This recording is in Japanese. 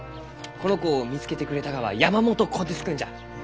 この子を見つけてくれたがは山元虎鉄君じゃ。